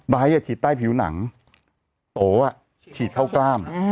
ฉีดใต้ผิวหนังโตฉีดเข้ากล้าม